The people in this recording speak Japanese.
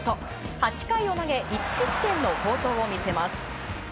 ８回を投げ１失点の好投を見せます。